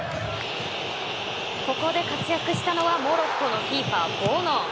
ここで活躍したのはモロッコのキーパーボノ。